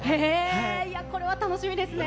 これは楽しみですね。